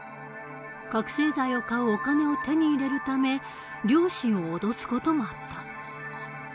覚醒剤を買うお金を手に入れるため両親を脅す事もあった。